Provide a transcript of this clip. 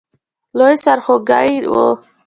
لوی سرخوږی وو.